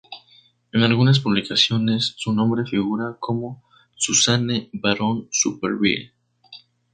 En algunas publicaciones su nombre figura como Suzanne Baron Supervielle.